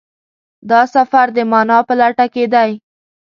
دا سفر د مانا په لټه کې دی.